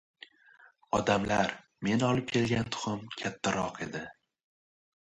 Odamlar «men olib kelgan tuxum kattaroq edi»,